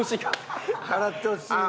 洗ってほしいんだ。